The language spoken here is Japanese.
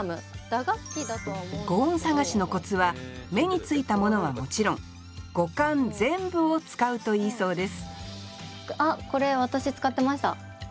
「五音探し」のコツは目についたものはもちろん五感全部を使うといいそうです